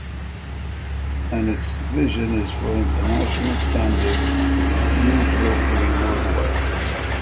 And its vision is for ‘international standards used locally worldwide’.